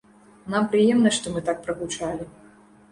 Нам прыемна, што мы так прагучалі.